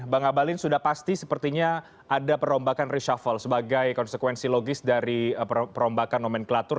bang abalin sudah pasti sepertinya ada perombakan reshuffle sebagai konsekuensi logis dari perombakan nomenklatur